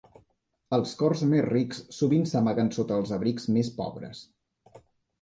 Els cors més rics sovint s'amaguen sota els abrics més pobres.